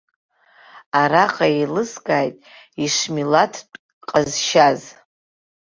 Араҟа еилыскааит ишмилаҭтә ҟазшьаз.